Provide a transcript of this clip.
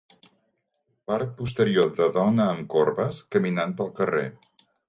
Part posterior de dona amb corbes caminant pel carrer